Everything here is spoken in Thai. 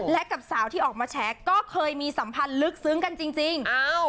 และกับสาวที่ออกมาแฉก็เคยมีสัมพันธ์ลึกซึ้งกันจริง